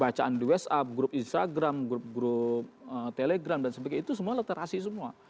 bacaan di whatsapp grup instagram grup grup telegram dan sebagainya itu semua literasi semua